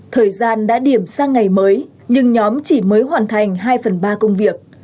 thời gian đã điểm sang ngày mới nhưng nhóm chỉ mới hoàn thành hai phần ba công việc